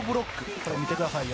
これ、見てくださいよ。